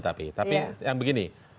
tapi yang begini